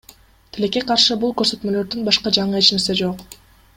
Тилекке каршы, бул көрсөтмөлөрдөн башка жаңы эч нерсе жок.